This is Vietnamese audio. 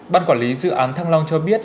ban quản lý dự án thăng long cho biết